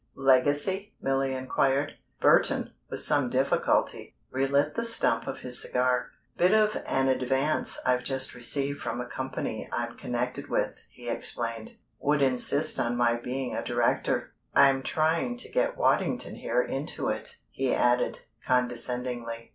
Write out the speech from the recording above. "Legacy?" Milly inquired. Burton, with some difficulty, relit the stump of his cigar. "Bit of an advance I've just received from a company I'm connected with," he explained. "Would insist on my being a director. I'm trying to get Waddington here into it," he added, condescendingly.